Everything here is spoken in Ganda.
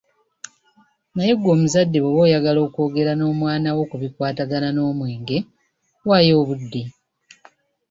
Naye ggwe omuzadde bwoba oyagala okwogera n’omwana wo ku bikwatagana n’omwenge, waayo obudde.